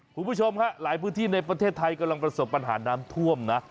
คุณผู้ชมฮะหลายพื้นที่ในประเทศไทยกำลังประสบปัญหาน้ำท่วมนะ